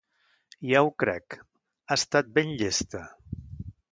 Ja ho crec, ha estat ben llesta.